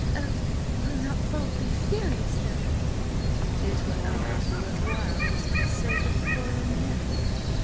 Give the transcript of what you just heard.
Oh, will not Bob be furious, though!" "It were almost worth while–just for the sake of foiling him.